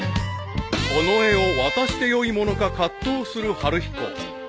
［この絵を渡してよいものか葛藤する晴彦］